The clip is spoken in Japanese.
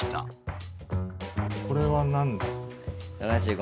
これは何ですか？